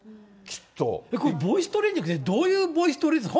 これボイストレーニングって、どういうボイストレーニング？